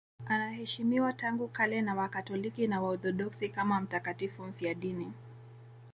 Anaheshimiwa tangu kale na Wakatoliki na Waorthodoksi kama mtakatifu mfiadini.